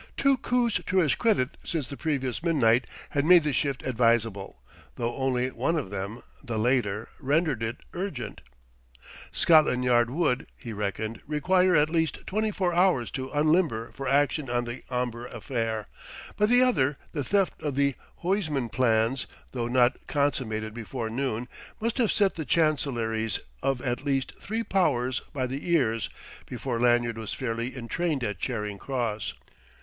Two coups to his credit since the previous midnight had made the shift advisable, though only one of them, the later, rendered it urgent. Scotland Yard would, he reckoned, require at least twenty four hours to unlimber for action on the Omber affair; but the other, the theft of the Huysman plans, though not consummated before noon, must have set the Chancelleries of at least three Powers by the ears before Lanyard was fairly entrained at Charing Cross.